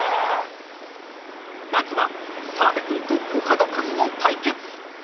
［まずは澤部君とコカド君の対決］